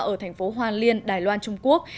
ở thành phố hoàng liên đài loan trung quốc